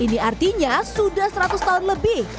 ini artinya sudah seratus tahun lebih